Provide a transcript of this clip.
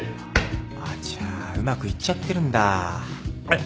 あちゃうまくいっちゃってるんだ。